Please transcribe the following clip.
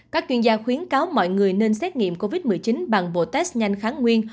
các chuyên gia khuyến cáo mọi người nên xét nghiệm covid một mươi chín bằng bộ test nhanh kháng nguyên